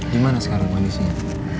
gimana sekarang kondisinya